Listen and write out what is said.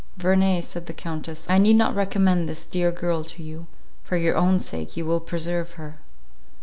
"Verney," said the Countess, "I need not recommend this dear girl to you, for your own sake you will preserve her.